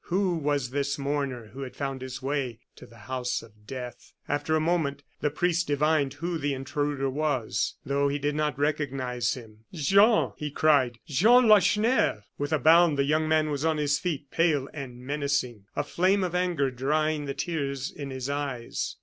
Who was this mourner who had found his way to the house of death? After a moment, the priest divined who the intruder was, though he did not recognize him. "Jean!" he cried, "Jean Lacheneur!" With a bound the young man was on his feet, pale and menacing; a flame of anger drying the tears in his eyes.